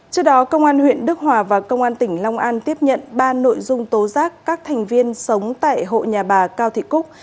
trước đó công an huyện đức hòa và công an tỉnh long an tiếp nhận ba nội dung tố giác các thành viên sống tại hộ nhà bà cao thị cúc